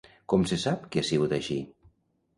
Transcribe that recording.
Com se sap que ha sigut així?